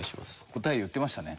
答え言ってましたね。